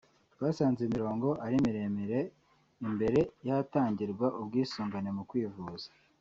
twasanze imirongo ari miremire imbere y’ahatangirwa ubwisungane mu kwivuza